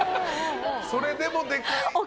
それでもでかい。